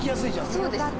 そうですね。